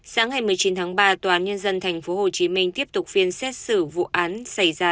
sáng ngày một mươi chín tháng ba tòa án nhân dân tp hcm tiếp tục phiên xét xử vụ án xảy ra